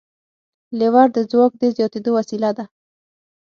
لیور د ځواک د زیاتېدو وسیله ده.